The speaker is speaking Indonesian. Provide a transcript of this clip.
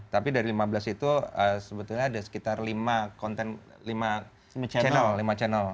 tapi dari lima belas itu sebetulnya ada sekitar lima konten lima channel lima channel